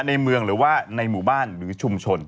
ในเมืองหรือว่าในหมู่บ้านหรือชุมชน